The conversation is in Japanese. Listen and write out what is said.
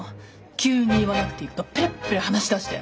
急に言わなくていいことペラペラ話しだして。